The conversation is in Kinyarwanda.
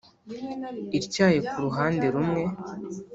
- ityaye kuruhande rumwe,